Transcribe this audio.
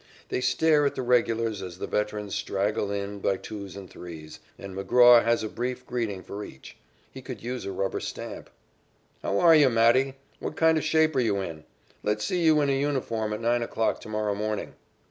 They stare at the regulars as the veterans straggle in by twos and threes, and McGraw has a brief greeting for each. He could use a rubber stamp. "How are you, Matty? What kind of shape are you in? Let's see you in a uniform at nine o'clock to morrow morning."